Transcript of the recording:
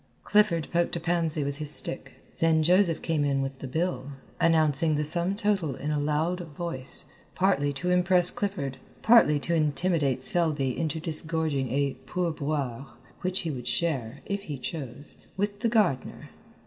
Clifford poked a pansy with his stick. Then Joseph came in with the bill, announcing the sum total in a loud voice, partly to impress Clifford, partly to intimidate Selby into disgorging a pourboire which he would share, if he chose, with the gardener.